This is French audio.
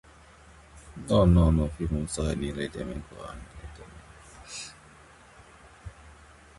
Le louchébem ne semble pas avoir été conçu par les bouchers de Paris.